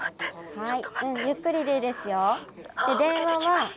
☎はい。